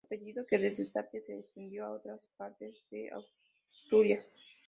Apellido que desde Tapia se extendió a otras partes de Asturias.